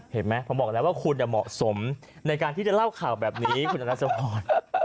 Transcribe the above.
เหมาะสมในการที่จะเล่าข่าวแบบนี้คุณอาจารย์สมธรรม